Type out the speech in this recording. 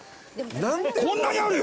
こんなにあるよ。